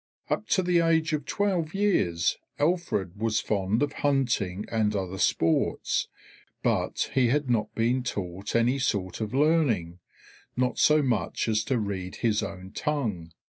Up to the age of twelve years Alfred was fond of hunting and other sports but he had not been taught any sort of learning, not so much as to read his own tongue.